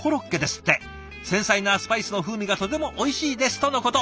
「繊細なスパイスの風味がとてもおいしいです」とのこと。